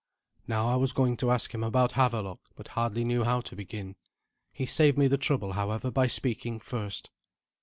Now I was going to ask him about Havelok, but hardly knew how to begin. He saved me the trouble however, by speaking first.